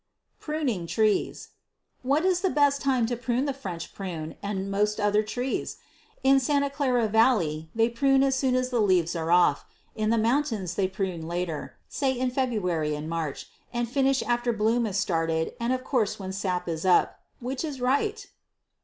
Pruning Times. What is the best time to prune the French prune and most other trees? In Santa Clara volley they prune as soon as leaves are off; in the mountains they prune later, say in February and March, and finish after bloom is started and of course when sap is up. Which is right?